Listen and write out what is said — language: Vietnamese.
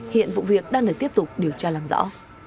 hiện vụ việc đang được tiếp tục điều tra làm rõ